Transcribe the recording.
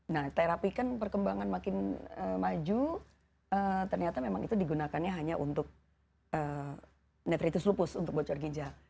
nah terapi kan perkembangan makin maju ternyata memang itu digunakannya hanya untuk netritis lupus untuk bocor ginjal